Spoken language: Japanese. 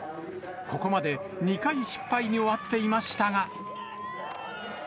ここまで２回失敗に終わっていましたが。